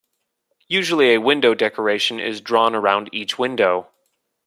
Usually a window decoration is drawn around each window.